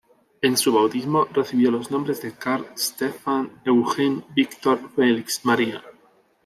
En su bautismo recibió los nombres de "Karl Stephan Eugen Viktor Felix Maria".